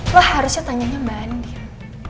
lo harusnya tanyanya mbak andien